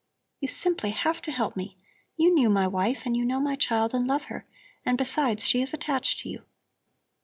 "You simply have to help me. You knew my wife and you know my child and love her; and besides, she is attached to you.